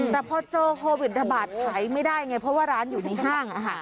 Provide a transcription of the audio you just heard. แต่พอเจอโควิดระบาดขายไม่ได้ไงเพราะว่าร้านอยู่ในห้าง